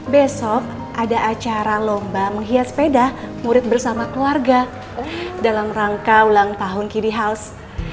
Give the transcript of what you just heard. besok ada acara lomba menghias sepeda murid bersama keluarga dalam rangka ulang tahun kib house